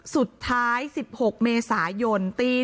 หนูจะให้เขาเซอร์ไพรส์ว่าหนูเก่ง